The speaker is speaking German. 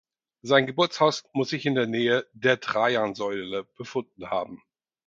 Sein Geburtshaus muss sich in der Nähe der Trajanssäule befunden haben.